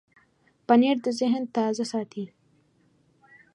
پنېر د ذهن تازه ساتي.